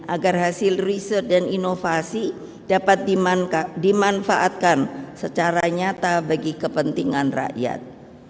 agar hasil riset dan inovasi dapat dimanfaatkan secara nyata bagi kepentingan rakyat